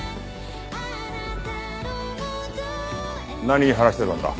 何話してたんだ？